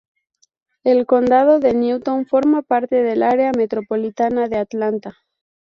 El condado de Newton forma parte del Área metropolitana de Atlanta.